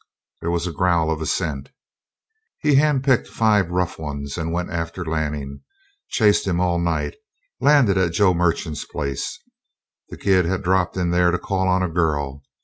There was a growl of assent. "He hand picked five rough ones and went after Lanning. Chased him all night. Landed at John Merchant's place. The kid had dropped in there to call on a girl.